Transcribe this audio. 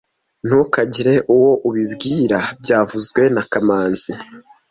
Ntukagire uwo ubibwira byavuzwe na kamanzi